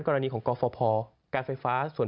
กรณีของกรฟพการไฟฟ้าส่วน